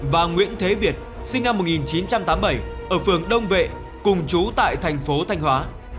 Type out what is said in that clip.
và nguyễn thế việt sinh năm một nghìn chín trăm tám mươi bảy ở phường đông vệ cùng chú tại thành phố thanh hóa